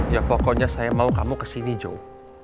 ya pokoknya saya mau kamu kesini jo